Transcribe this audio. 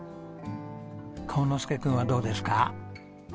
煌之助君はどうですか？